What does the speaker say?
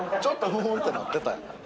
ちょっとフフッてなってた。